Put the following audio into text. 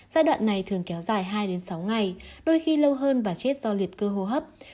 giai đoạn này thường kéo dài hai sáu ngày đôi khi lâu hơn và chết do liệt cơ hô hấp